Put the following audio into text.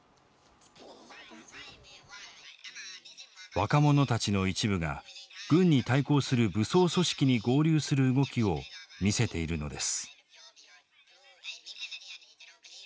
若者たちの一部が軍に対抗する武装組織に合流する動きを見せているのです。